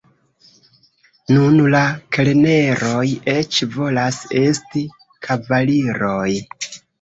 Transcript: Nun la kelneroj eĉ volas esti kavaliroj.